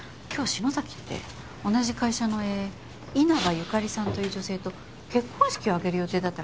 篠崎って同じ会社の稲葉由香利さんという女性と結婚式を挙げる予定だったらしいですよ。